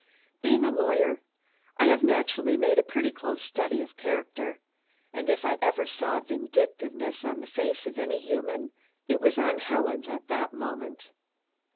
Being a lawyer, I have naturally made a pretty close study of character, and if I ever saw vindictiveness on the face of any human, it was on Helen's at that moment.